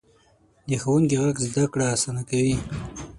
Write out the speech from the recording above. د ښوونکي غږ زده کړه اسانه کوي.